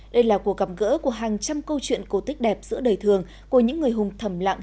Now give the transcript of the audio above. đây là cuộc gặp gỡ của hàng trăm câu chuyện cổ tích đẹp giữa đời thường của những người hùng thầm lặng